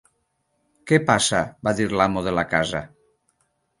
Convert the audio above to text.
"Què passa?", va dir l'amo de la casa.